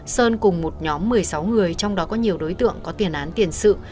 sơn cùng một nhóm một mươi sáu người trong đó có nhiều đối tượng có tiền án tiền sự